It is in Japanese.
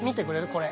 これ。